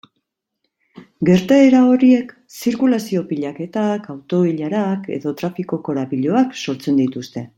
Gertaera horiek zirkulazio pilaketak, auto-ilarak edo trafiko-korapiloak sortzen dituzte.